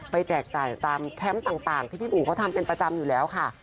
แจกจ่ายตามแคมป์ต่างที่พี่บูเขาทำเป็นประจำอยู่แล้วค่ะ